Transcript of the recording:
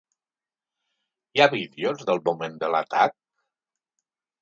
Hi ha vídeos del moment de l’atac?